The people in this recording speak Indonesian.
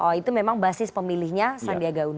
oh itu memang basis pemilihnya sandiaga uno